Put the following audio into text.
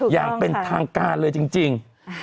อย่างเป็นทางการเลยจริง